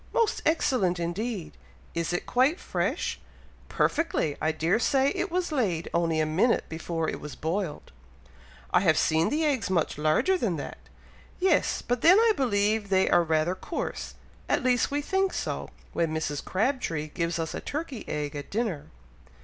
"Most excellent indeed!" "Is it quite fresh?" "Perfectly! I dare say it was laid only a minute before it was boiled!" "I have seen the eggs much larger than that." "Yes! but then I believe they are rather coarse, at least we think so, when Mrs. Crabtree gives us a turkey egg at dinner."